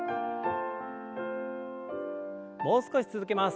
もう少し続けます。